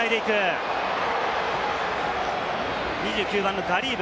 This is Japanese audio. ２９番のガリーブ。